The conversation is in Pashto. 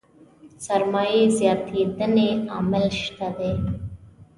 سرمايې زياتېدنې عوامل شته دي.